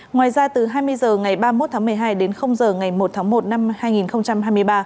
ngoài ra từ hai mươi h ngày ba mươi một tháng một mươi hai đến giờ ngày một tháng một năm hai nghìn hai mươi ba